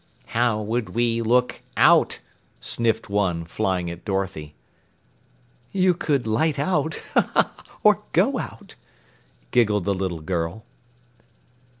"How would we look out?" sniffed one, flying at Dorothy. "You could light out or go out," giggled the little girl.